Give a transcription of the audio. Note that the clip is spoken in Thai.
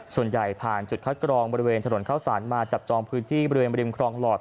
ส่วนใหญ่ผ่านจุดคัดกรองบริเวณถนนเข้าสารมาจับจองพื้นที่บริเวณบริมครองหลอด